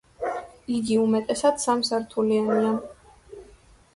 იგი უმეტესად სამსართულიანია.